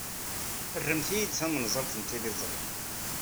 Rremt-iyi-d tamenzaḍt n tliẓri.